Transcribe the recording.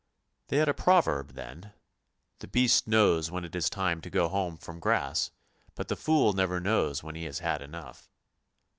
They had a proverb then, " The beast knows when it is time to go^ home from grass, but the fool never knows when he has had enough."